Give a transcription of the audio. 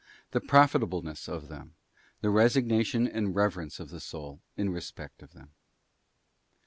The profitableness of them. The resignation and reverence of the soul in respect of them.